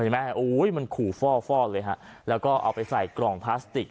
มันขู่ฟอกเลยครับแล้วก็เอาไปใส่กล่องพลาสติก